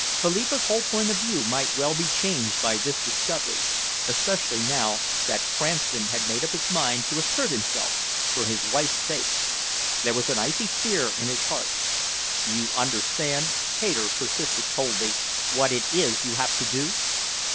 Philippa's whole point of view might well be changed by this discovery especially now that Cranston had made up his mind to assert himself for his wife's sake. There was an icy fear in his heart. "You understand," Hayter persisted coldly, "what it is you have to do?"